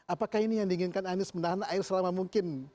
apakah ini yang diinginkan anies menahan air selama mungkin